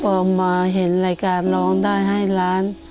พอมาเห็นรายการร้องได้ให้ล้าน